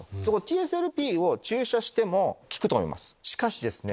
しかしですね